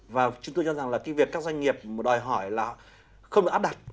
và chúng tôi cho rằng là cái việc các doanh nghiệp đòi hỏi là không được áp đặt